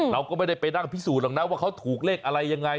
เราก็ไม่ได้ไปนั่งพิสูจนหรอกนะว่าเขาถูกเลขอะไรยังไง